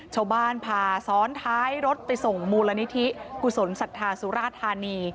ชาวบ้านพาซ้อนท้ายรถไปส่งมูลนิธิกุศลศรัทธาสุราธานี